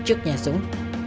trước nhà dũng